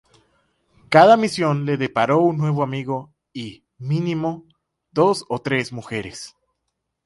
Cada misión le deparó un nuevo amigo y, mínimo, dos o tres mujeres.